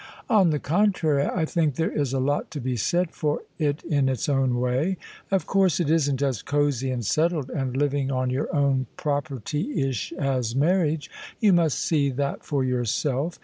" On the contrary: I think there is a lot to be said for it in its own way. Of course it isn't as cosey and settled and living on your own propertyish as marriage: you must see that for yourself.